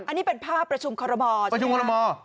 อันนี้เป็นภาพประชุมคลมภอร์ใช่ไหมค่ะ